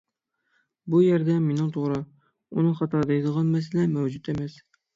بۇ يەردە مېنىڭ توغرا، ئۇنىڭ خاتا دەيدىغان مەسىلە مەۋجۇت ئەمەس.